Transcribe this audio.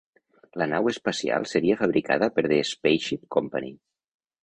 La nau espacial seria fabricada per The Spaceship Company.